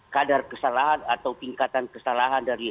kadar kesalahan atau tingkatan kesalahan dari